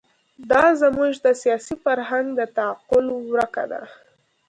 دا زموږ د سیاسي فرهنګ د تعقل ورکه ده.